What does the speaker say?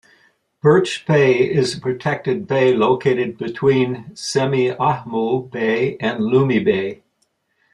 Birch Bay is a protected bay located between Semiahmoo Bay and Lummi Bay.